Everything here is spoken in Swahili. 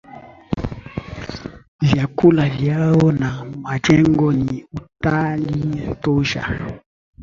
Vyakula vyao na majengo ni utalii tosha